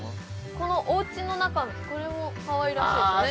このおうちの中のこれもかわいらしいですよねああ